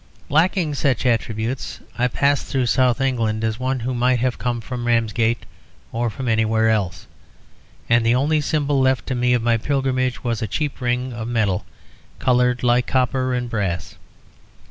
Lacking such attributes, I passed through South England as one who might have come from Ramsgate or from anywhere; and the only symbol left to me of my pilgrimage was a cheap ring of metal coloured like copper and brass.